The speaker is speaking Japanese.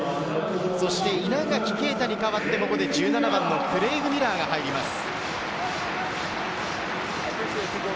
稲垣啓太に代わって、１７番のクレイグ・ミラーが入ります。